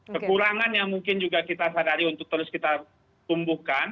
kekurangan yang mungkin juga kita sadari untuk terus kita tumbuhkan